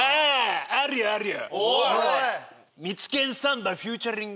あるよあるよ。